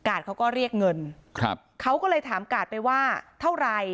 เขาก็เรียกเงินครับเขาก็เลยถามกาดไปว่าเท่าไหร่